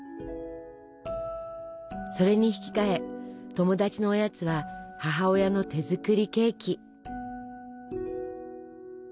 それにひきかえ友達のおやつは母親の手作りケーキ。